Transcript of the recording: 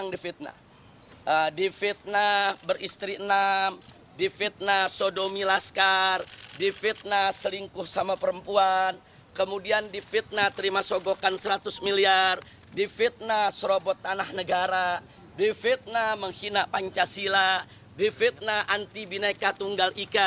di fitnah selingkuh sama perempuan kemudian di fitnah terima sogokan seratus miliar di fitnah serobot tanah negara di fitnah menghina pancasila di fitnah anti bineka tunggal ika